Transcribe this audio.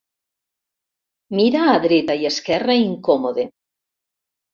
Mira a dreta i a esquerra, incòmode.